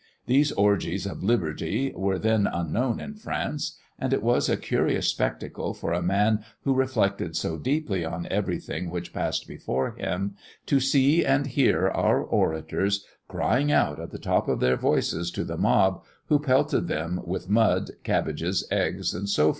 These orgies of liberty were then unknown in France; and it was a curious spectacle for a man who reflected so deeply on everything which passed before him, to see and hear our orators crying out at the top of their voices to the mob, who pelted them with mud, cabbages, eggs, &c. &c.